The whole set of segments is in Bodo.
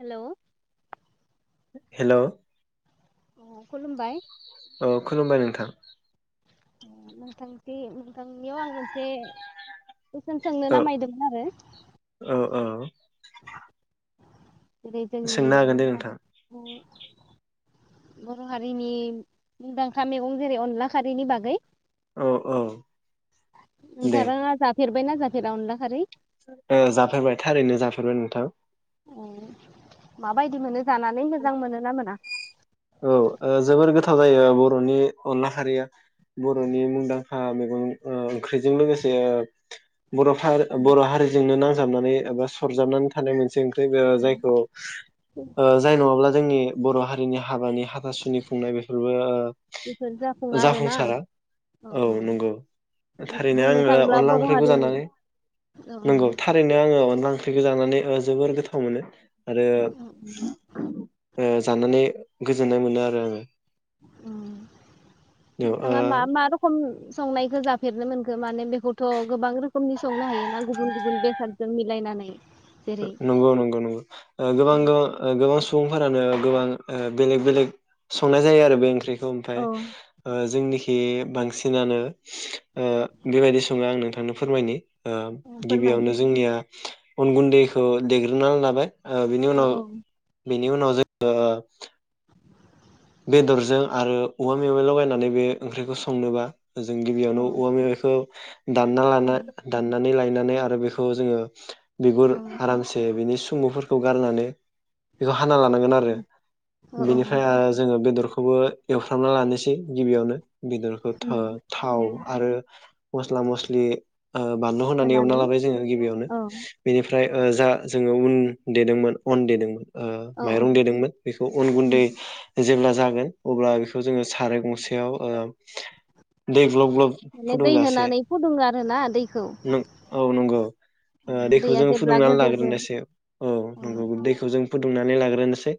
हेलौ हेलौ अ खुलुमबाय। औ खुलुमबाय नोंथां। ओम नोंथांनि नोंथांनियाव आं मोनसे कुइसन सोंनो औ नामायदोंमोन आरो। औ औ जेरै जोंनि सोंनो हागोन दे बर' नोंथां हारि बर' हारिनि मुंदांखा मेगं जेरै अनला खारैनि बागै अ औ दे नोंथाराङा जाफ फेरबायना जाफेरा अनला खारै? ओ जाफेरबाय थारैनो जाफेरबाय नोंथां। अ माबायदि मोनो? जानानै मोजां मोनोना मोना? औ ओ जोबोर गोथाव जायो बर'नि अनला खारिया। बर'नि मुंदांखा मैगं ओ ओंख्रिजों लोगोसे बर'फा बर' हारिजोंनो नांजाबनानै एबा सरजाबनानै थानाय मोनसे ओंख्रि ओ जायखौ ओ जाय नङाब्ला जोंनि बर' हारिनि हाबानि हाथासुनि खुंनाय बेफोरबो बेफोर ओ जाफुङा आरोना जाफुंसारा। औ नंगौ थारैनो बुंनो आङो थाङोब्ला अनला बर' ओंख्रिखौ हारिनि जानानै औ नंगौ थारैनो आङो अनला ओं ख्रिखो जानानै जोबोर गोथाव मोनो। उम आरो ओ जानानै गोजोननाय मोनो आरो आङो। औ नोंथाङा मा ओ मा रखम संनायखौ जाफेरनो मोनखो? माने बेखौथ' गोबां रोखोमनि संनो हायो ना गुबुन गुबुन बेसादजों मिलायनानै। जेरै नंगौ नंगौ नंगौ। ओ गोबां गोबां ओ गोबां सुबुंफोरानो गोबां ओ बेलेग बेलेग संनाय जायो आरो बे ओंख्रि खौ औ ओमफ्राय जोंनि खि बांसिनानो ओ बेबायदि सङो आं नोंथांनो फोरमायनि। ओ फोरमाय गिबियावनो जोंनिया अन गुन्दै देग्रोना लाबाय ओ बिनि औ उनाव औ बिनि उनाव जोङो बेदरजों आरो औवा मेवाइ लगायनानै बे ओंख्रिखौ संनोबा जों गिबियावनो औ औवा मेवाइखौ दानना लाना दाननानै लायनानै आरो बेखौ जोङो बिगुर औ आरामसे बिनि सुमुफोरखौ गारनानै बेखौ हाना लानांगोन आरो। औ औ बेनिफ्राय ओ बेदरखौबो एवफ्रामना लानोसै गिबियावनो। बेदरखौ था-थाव आरो मस्ला मस्लि ओ बानलु होनानै एवना लाबाय जोङो गिबियावनो‌ औ बेनिफ्राय जा जोङो उन देदोंमोन अन देदोंमोन ओ औ औ माइरं देदोंमोन बेखौ अन गुन्दै जेब्ला जागोन अब्ला बेखौ जोङो साराय गंसेयाव ओ दै ग्ल'ब ग्ल'ब माने दै फुदुंजासे होनानै फुदुङो आरोना दैखौ नों औ नंगौ। ओ दैखौ दैया जोङो जेब्ला फुदुंनान गोदौगोन लाग्रोनोसै। औ नंगौ दैखौ जों फुदुंनानै लाग्रोनोसै।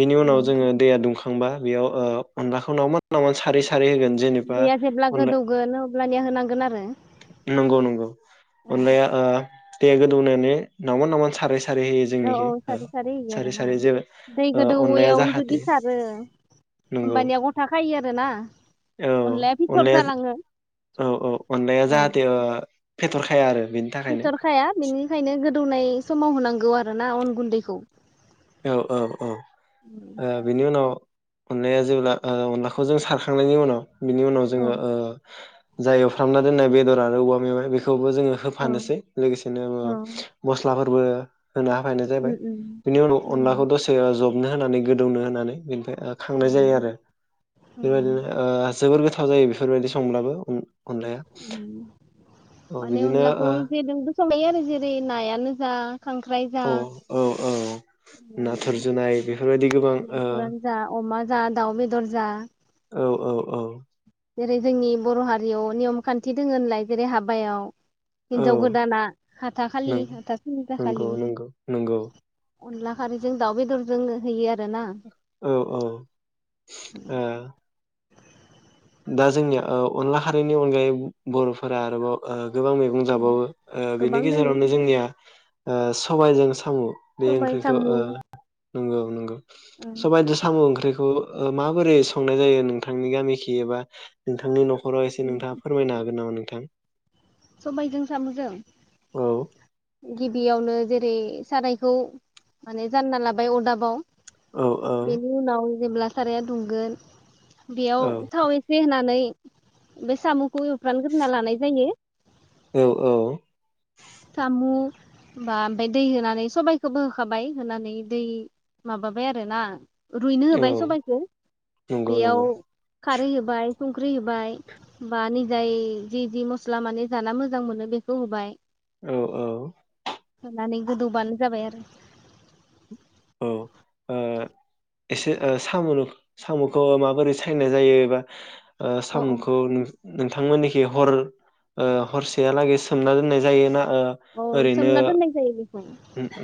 बिनि उनाव जोङो दुंखांबा बेआव ओ अनलाखौ [unintelligible] सारै होगोन जेनेबा दैया जेब्ला अनला गोदौगोन अब्लानिया होनांगोन आरो नंगौ नंगौ। औ अनलाया ओ दैया गोदौनानै नावमान नावमान सारै [unintelligible] सारै होयो जोंनिखै औ ओ सारै होयो सारै आरोना सारै जे दै ओ अनलाया गोदौयावनो जाहा जुदि सारो होमबानिया ग'था खायो आरोना औ अनलाया फिथ'र जालाङो औ औ अनलाया औ। जाहाथे ओ फेथ'रखाया आरो बेनि थाखायनो फिथ'रखाया बेनिखायनो गोदौनाय समाव होनांगौ आरो आरो ना अन गुन्दैखौ। औ औ औ ओ बेनि उनाव अनलाया जेब्ला ओ अनलाखौ जों सारखांनायनि उनाव बिनि उनाव औ जोङो ओ जाय एवफ्रामना दोननाय बेदर आरो औवा मेवाय बेखौ बो जोङो औ होफानोसै लोगोसेनो औ मसलाफोर होना होनो जाबाय उम बेनि उनाव अनलाखौ उम दसे जबनो होनानै गोदौनो होनानै बेनिफ्राय ओ औ खांनाय जायो आरो बेबायदिनो ओ जोबोर गो थाव जायो बेफोरबायदि संब्लाबो अनलाया औ माने बिदिनो अनलाखौ ओ जेजोंबो संजायो आरो जेरै नायानो जा खांख्राइ जा औ औ औ नाथुर जुनाय बे नाथुरानो जा अमा जा दाउ बेदर जा औ औ औ जेरै जोंनि बर' हारियाव नियम खान्थि दोङो होनलाय जेरै हाबायाव हिनजाव औ गोदाना हाथाखालि नंगौ हाथासुनि नंगौ जाखालि नंगौ नंगौ अनला खारैजों दाउ बेदरजों होयो आर औ औ ओ दा जोंनिया ओ अनला खारैनि अनगायै बर'फोरा आरोबाव ओ गोबां मैगं जाबावो ओ गोबां बेनि दोङो गेजेरावनो जोंनिया ओ सबायजों सामु बे सबाय ओंख्रिखौ साम' ओ नंगौ नंगौ सबायदो सामु ओंख्रि खौ ओ माबोरै संनाय जायो नोंथांनि गामि एबा नोंथांनि नख राव एसे नोंथांङा फोरमायनोहागोन नामा नों? थां सबायजों सामजों? गिबियावनो जेरै सारायखौ माने जानना लाबाय अरदाबाव औ औ बेनि उनाव जेब्ला साराया दुंगोन बेयाव औ थाव एसे होनानै बे सामखौ एवफ्रानग्रोना लानाय जायो । औ औ सामु बा ओमफ्राय दै होनानै सबाइखोबो होखाबाय होनानै दै माबाबाय आरोना । रुइनो औ होबाय सबाइखौ नंगौ बेयाव नंगौ खारै होबाय संख्रि होबाय बा निजाय जि जि मस्ला माने जाना मोजां मोनो बेखौ होबाय। औ औ। नानै गोदौबानो जाबाय आरो औ ओ एसे साम सामखौ माबोरै सायनाय जायो एबा ओ अ अ सामुखौ नों नोंथांमोननिखि हर ओ हरसेहालागै सोमना दोननाय जायोना औ सोमना दोननाय जायो बेखौ।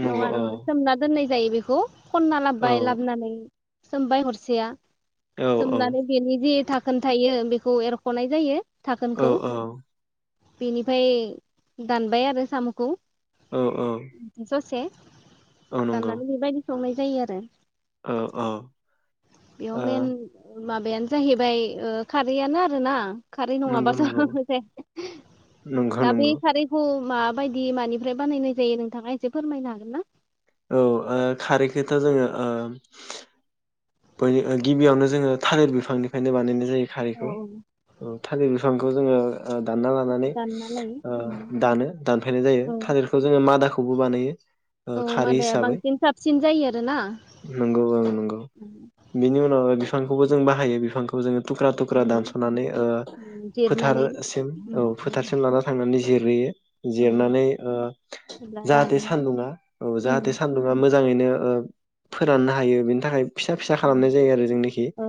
नंगौ नङा औ नङा सोमना दोननाय जायो बिखौ। खनना लाबोबाय औ लाबोनानै सोमबाय हरसेया औ औ सोमनानै बेनि जे दा खोन थायो बेखौ एरखनाय जायो औ औ। बेनिफाय दानबाय आरो सामुखौ औ औ ससे। औ नंगौ दाननानै बेबायदि संनाय जायो आरो। औ औ। बेयाव ओ मेन माबायानो जाहैबाय ओ खारैयानो आरोना। खारै नंगौ नङाबाथ' नंगौ जाया। नंगौ दा बै नंगौ खारैखौ माबायदि मानिफ्राय बानायनाय जायो नोंथाङा एसे फोरमायनो हागोन ना? औ ओ खारैखोथ' जोङो ओ बै ओ गिबियावनो जोङो थालिर बिफांनिफ्रायनो बानायनाय जायो औ सारिखौ औ थालिर बिफां बो जोङो ओ दानना लानानै दानना लायो उम ओ दानो दानफायनाय जायो औ थालिरखौ जोङो मादाखौ खौबो बानायो ओ औ खारै मादाया हिसाबै बांसिन साबसिन जायो आरोना? बेनि उनाव बिफांखौबो जों बाहायो बिफांखौ जोङो थुख्रा थुख्रा दानसनानै ओ जिरनानै फोथारसिम उम औ फोथारसिम लाना थांनानै जिरहैयो। औ जिरनानै ओ अब्ला जाहाथे रानो सान्दुङा औ उम जाहाथे सान्दुङा मो जाङैनो ओ फोराननो हायो बेनि थाखाय फिसा फिसा औ खालामनाय जायो आरो जोंनोखि, औ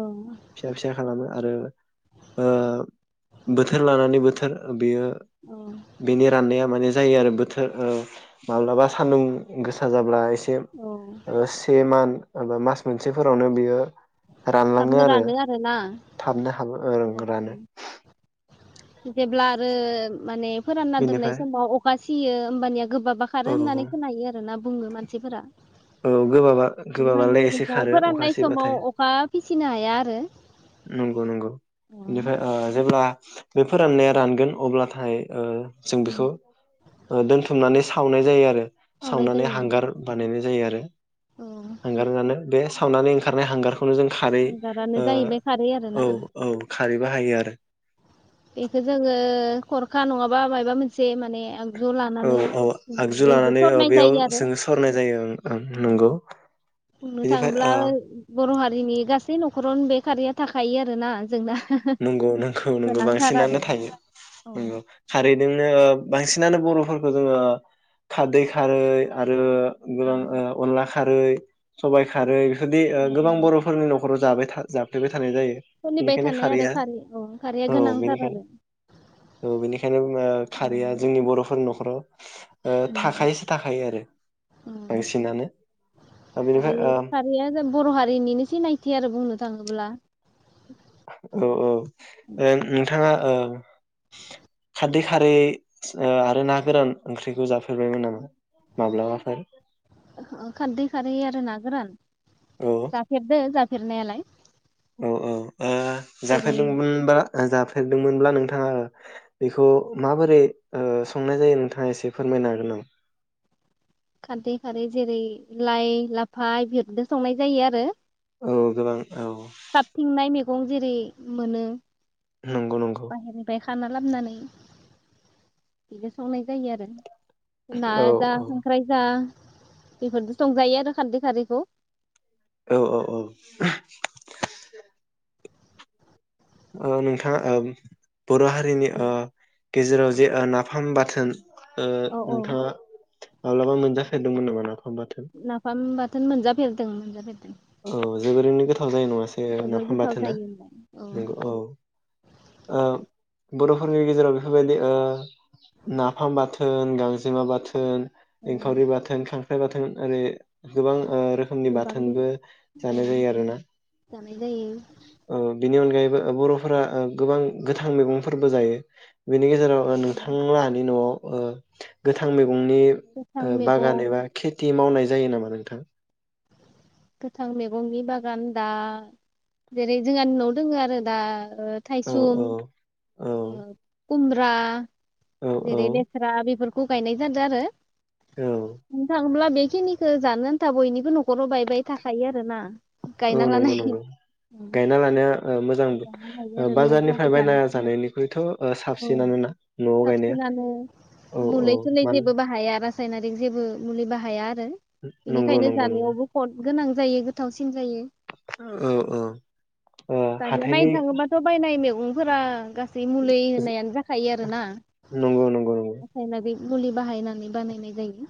फिसा फिसा खालामो आरो ओ बोथोर लानानै बोथोर बेयो औ बेनि राननाया माने जायो आरो बोथोर ओ माब्लाबा सान्दुं गोसा जाब्ला एस से औ ओ सेमान ङाबा मास मोन से फोरावनो बियो रानलाङो थाबनो आरो रानो आरोना थाबनो हाबो ओ औ रानो औ जेब्ला आरो माने फोरानना दोननाय बेनिफ्राय समाव अखा सियो होमबानिया गोबाबआ खारो औ होननानै खोनायो आरो ना बुङो मानसिफोरा। औ गोबाबआ बेनिखायनो गोबाबआलाय एसे खारो अखा सिबाथाय सिनो हाया आरो। नंगौ नंगौ बेनिफाय ओ जेब्ला बे फोराननाया रानगोन अब्लाथाय ओ जों बेखौ ओ दोनथुमनानै सा सावनाय जायो आरो। सावनाय सावनानै जायो हांगार बानायनाय जायो आरो। औ हांगारानो बे सा सावनानै ओंखारनाय हांगार खौनो जों खारै हांगारानो ओ जाहैबाय खारै औ आरोना औ खारै बाहायो आरो। बेखौ जोङो खरखा नङाबा मायाबा मोनसे माने आग औ औ आगजु लानानै ओ सरनाय बेयाव जायो आरो जोङो सरनाय जायो ओं ओं नंगौ। बुंनो बेनिफ्राय थाङोब्ला ओ बर' हारिनि गासै न'खरावनो बे खारैया थाखायो आरो ना जोंना नंगौ नंगौ नंगौ गोनांथार बांसिनानो आरो थायो, औ नंगौ खारैदोंनो ओ बांसिनानो बर'फोरखौ जोङो खारदै खारै आरो गोबां ओ अनला खा खारै सबाय खारै जुदि ओ औ गोबां औ बर'फोरनि न' खराव जाबाय था जाफ्लोबाय थानाय जायो सोलिबाय बेनिखायनो थानाय आरो खारैआ खारै औ खारैया औ गोनांथार बेनिखायनो आरो औ बेनिखायनो बुङो खारैया जोंनि बर'फोरनि न'खर खराव ओम अ। बांसिनानो ओ बेनिफ्राय खारै ओ खारैया बर' हारिनिनो सिनायथि आरो बुंनो थाङोब्ला। औ औ ओं नोंथाङा ओ [inaudible] खारदै खारै आरो ना गोरान ओंख्रिखौ जाफेरबायमोन नामा? माब्लाबाफोर खारदै खारै आरो ना गोरान, औ जाफेरदो जा फेरनायालाय। औ औ ओं जाफेरदोंमोनबा जाफेरदोंमोनब्ला नोंथाङा ओ बेखौ माबोरै ओ संनाय जायो नोंथाङा एसे फोरमायनो हागोन नामा? खारदै खारै जेरै लाइ लाफा इफोरजों संनाय जायो आरो औ गोबां औ। गं जेरै मोनो नंगौ नंगौ बाहेरनिफ्राय खा खाना लाबानै बिदो संनाय जायो आरो। ना औ जा औ जा बेफोरदो संजायो आरो खारदै खारैखौ। औ औ औ औ नोंथाङा ओम बर' हारिनि ओ गेजेराव जे ओ नाफाम बाथोन ओ औ औ नोंथाङा माब्लाबा मोनजाफेरदोंमोन नामा? बाथोन? नाफाम बाथोन मोनजाफेरदों मोनजाफेरदों। औ जोबोरैनो गो थाव जायो नङासै जोबोर नाफाम गोथाव बाथोना? जायो होनलाय नोंगौ औ। ओ बर'हारिनि गेजेराव बेफो बेफोरबायदि ओ नाफाम बाथोन गांजेमा बाथोन एंखावरि बाथोन खांख ख्राइ बाथोन ओरै गोबां ओ रोखोमनि गोबां दं बाथोनबो औ जानाय जायो आरोना? जानाय जायो ओ बिनि अनगायैबो ओ बर'फोरा ओ गोबां गोथां मैगंफोरबो जायो। बेनि गेजेराव ओ नोंथां लाहानि न'आव ओ गोथां मै गंनि गोथां ओ बागान मैगं एबा खिथि मावनाय जायो नामा नोंथां? गोथां मैगंनि बागान दा जेरै जोंहानि न'आव दोङो आरो दा ओ औ थाइसुम औ [unintelligible] खुम्ब्रा औ औ जेरै लेस्रा बेफोर खौ गायनाय जादों आरो औ बुंनो थाङोब्ला बे खिनिखौ जानो आन्था बयनिबो नखराव बायबाय थाखायो आरो ना औ नंगौ नंगौ गायना लानाया ओ मोजां गायना लायो ओ आरो न' बाहाय बाजारनिफ्राय बायना जानो जानायनि बेथ' ओ औ साबसिनानोना न'आव गायनाया साबसिनानो औ औ मानो सायनारिक जेबो मुलि बाहाया नंगौ बेनिखायनो नंगौ नंगौ जानायावबो खद गोनां जायो गोथावसि न जायो। ओ दानिया हाथायनि नायनो थाङोबाथ' बायनाय मै सुबुंफोरा गा जि मुलि होननायानो जाखायो आरोना नंगौ नंगौ नंगौ रासायनारिक मुलि बाहायनानै बानायनाय जायो।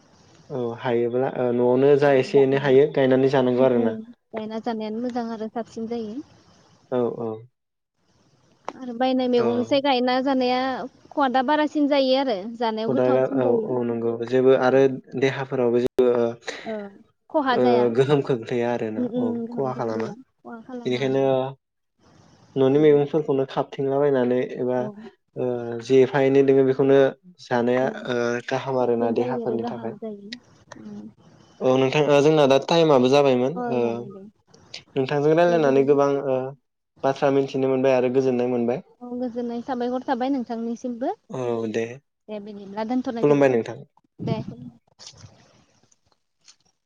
औ हायोब्ला ओ न'आवनो जा एसे एनै हायो गायनानै औ जानांगौ आरोना। गायना जानायानो मोजां आरो साबसिन जायो। औ औ। आरो बायनाय औ मैगंसै गायना जानाया खवादा बारासिन जायो आरो जानायाव खुदारा गोथावसिन औ जायो औ नंगौ जेबो आरो देहाफोरावबो जे औ खहा जाया। गोहोम खोख्लैया आरोना उम औ उम गोहोम खहा खालामा गोग्लैया खहा खालामा बेनिखायनो आरो न'नि मैगंफोरखौनो खाब थिंलाबायायनानै एबा औ ओ जि फा एनै दोङो बेखौनो जानाया औ ओ गाहाम आरोना साबसिन जायो आरो देहाफोरनि थाखाय गाहाम जायो उम । औ नोंथाङा जोंना दा ताइम आबो जाबायमोन ओ जाबाय दे नोंथांजों दे रायलायनानै बिदिनो गोबां ओ बाथ्रा मिथिनो मोनबाय आरो गोजोन्नाय मोनद औ गोजोननाय साबायहर थाबाय नोंथांनिसिमबो औ दे दे बेनि ब्ला दोन्थनाय खुलुमबाय नोंथां। जाबाय दे ।